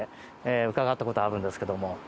伺ったことがあるんですけれど。